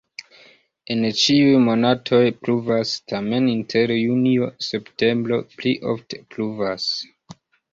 En ĉiuj monatoj pluvas, tamen inter junio-septembro pli ofte pluvas.